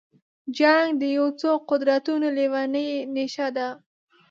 جنګ د یو څو قدرتونو لېونۍ نشه ده.